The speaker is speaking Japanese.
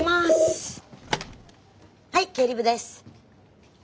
はい経理部です。